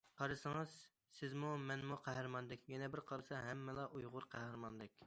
قارىسىڭىز، سىزمۇ، مەنمۇ قەھرىماندەك، يەنە بىر قارىسا، ھەممىلا ئۇيغۇر قەھرىماندەك.